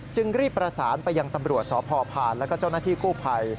จึงรีบประสานไปยังตำรวจสพพานแล้วก็เจ้าหน้าที่กู้ภัย